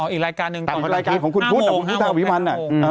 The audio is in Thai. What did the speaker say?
อ๋ออีกรายการหนึ่ง๕โมง